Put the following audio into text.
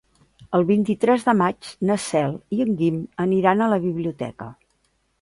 El vint-i-tres de maig na Cel i en Guim aniran a la biblioteca.